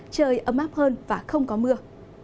trời ấm áp hơn và không có mưa